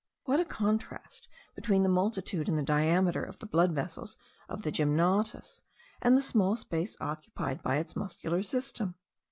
What a contrast between the multitude and the diameter of the blood vessels of the gymnotus, and the small space occupied by its muscular system!